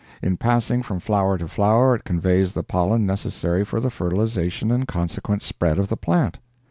In passing from flower to flower it conveys the pollen necessary for the fertilization and consequent spread of the plant.